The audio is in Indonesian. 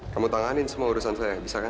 kamu tanganin semua urusan saya kan